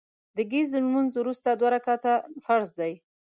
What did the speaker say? د ګهیځ لمونځ وروستي دوه رکعتونه فرض دي